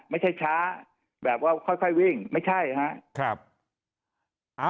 ไม่ใช่ช้าแบบว่าค่อยวิ่งไม่ใช่ครับ